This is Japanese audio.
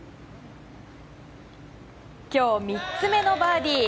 今日３つ目のバーディー。